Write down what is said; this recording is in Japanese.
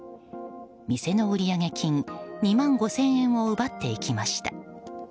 店の売上金２万５０００円を奪っていきました。